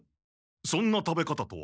そんな食べ方とは？